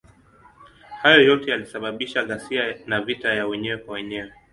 Hayo yote yalisababisha ghasia na vita ya wenyewe kwa wenyewe.